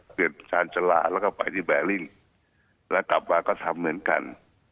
ชาญจลาแล้วก็ไปที่แบริ่งแล้วกลับมาก็ทำเหมือนกัน